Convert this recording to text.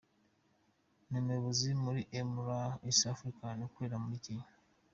Ni umuyobozi muri m: Lab East Africa, akorera muri Kenya.